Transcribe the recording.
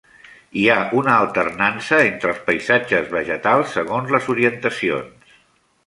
Hi ha una alternança entre els paisatges vegetals segons les orientacions.